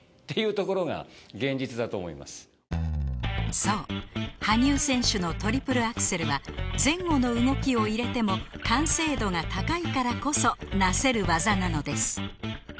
そう羽生選手のトリプルアクセルは前後の動きを入れても完成度が高いからこそなせる技なのです